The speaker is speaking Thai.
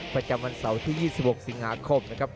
ประกันวันเสาร์ที่๒๖สิงหาคม